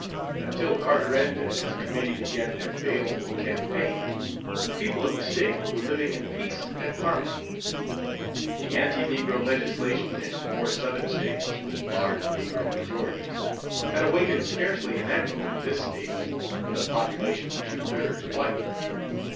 Until Carteret and his committee began their baleful campaign the people of the state were living in peace and harmony. The anti negro legislation in more southern states, with large negro majorities, had awakened scarcely an echo in this state, with a population two thirds white.